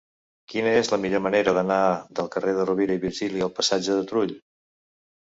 Quina és la millor manera d'anar del carrer de Rovira i Virgili al passeig de Turull?